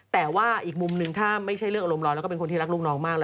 แต่ว่าอีกมุมหนึ่งถ้าไม่ใช่เรื่องอารมณ์ร้อนแล้วก็เป็นคนที่รักลูกน้องมาก